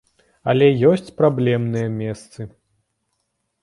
Але ёсць праблемныя месцы.